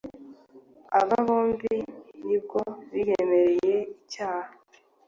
Aba bombi n’ubwo biyemerera icyaha